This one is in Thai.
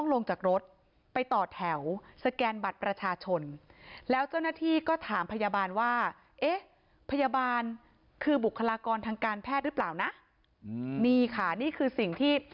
แล้วเจ้าหน้าที่ก็ถามพยาบาลว่าพยาบาลคือบุคลากรทางการแพทย์หรือเปล่านะมีค่ะนี่คือสิ่งที่